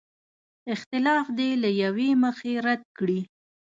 اختلاف دې له یوې مخې رد کړي.